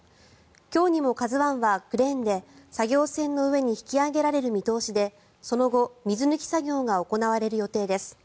今日にも「ＫＡＺＵ１」はクレーンで作業船の上に引き揚げられる見通しでその後、水抜き作業が行われる予定です。